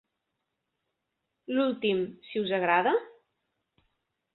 L'últim, si us agrada?